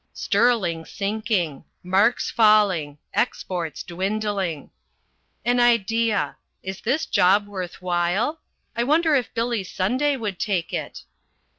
Sterling sinking. Marks falling. Exports dwindling. An idea: Is this job worth while? I wonder if Billy Sunday would take it?